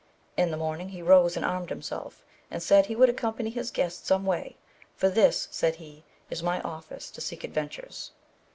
In the morning he rose and armed himself, and said he would accompany his guests some way, for this, said he, is my office to seek adven tures.